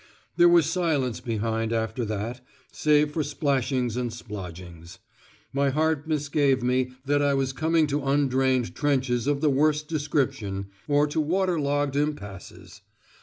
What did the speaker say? There was silence behind after that, save for splashings and splodgings. My heart misgave me that I was coming to undrained trenches of the worst description, or to water logged impasses!